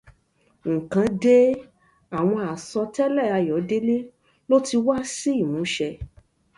Nǹkan dé! Àwọn àsọtẹlẹ Ayọ̀délé ló ti wá sí ìmúṣẹ